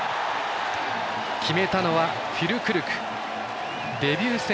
決めたのはフィルクルク。